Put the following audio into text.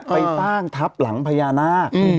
ไปสร้างทับหลังพญานาค